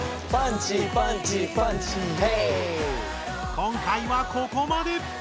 今回はここまで！